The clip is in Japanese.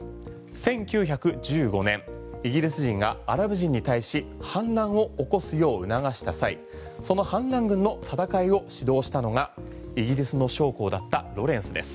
１９１５年イギリス人がアラブ人に対し反乱を起こすよう促した際その反乱軍の戦いを指導したのがイギリスの将校だったロレンスです。